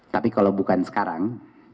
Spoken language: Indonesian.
tapi kalau bukan sekarang